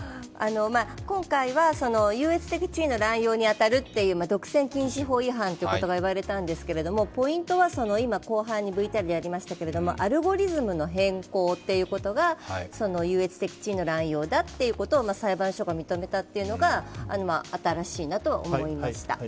今回は優越的地位の濫用に当たるという独占禁止法違反といわれたんですが、ポイントは後半のＶＴＲにありましたけど、アルゴリズムの変更ということが優越的地位の濫用だということを裁判所が認めたというのが新しいなとは思いました。